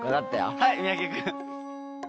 はい三宅君。